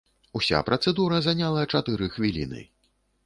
Уся працэдура заняла чатыры хвіліны.